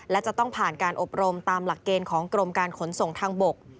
และจะต้องผ่านการอบรมตามหลักเกณฑ์ของกรมการขนส่งทางบก